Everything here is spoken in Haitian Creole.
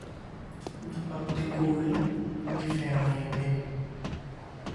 nou pap dekore ni fè anyen menm